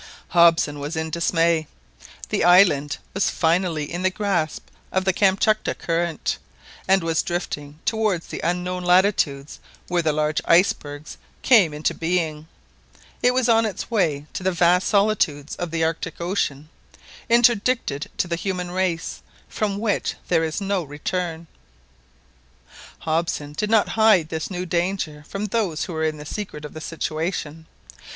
Hobson was in dismay; the island was finally in the grasp of the Kamtchatka Current, and was drifting towards the unknown latitudes where the large icebergs come into being; it was on its way to the vast solitudes of the Arctic Ocean, interdicted to the human race, from which there is no return. Hobson did not hide this new danger from those who were in the secret of the situation.